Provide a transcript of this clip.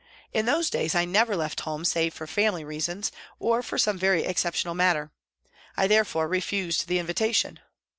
In those days I never left home save for family reasons, or for some very exceptional matter. I, therefore, refused the invitation.